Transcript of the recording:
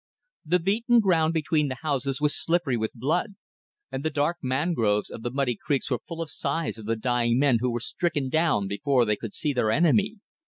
The beaten ground between the houses was slippery with blood, and the dark mangroves of the muddy creeks were full of sighs of the dying men who were stricken down before they could see their enemy.